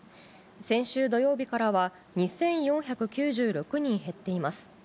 先週土曜日からは２４９６人減っています。